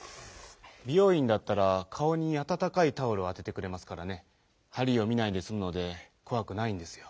「びよういん」だったらかおにあたたかいタオルをあててくれますからねはりを見ないですむのでこわくないんですよ。